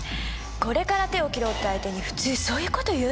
これから手を切ろうって相手に普通そういう事言う？